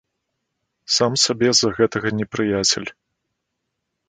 Сам сабе з-за гэтага непрыяцель.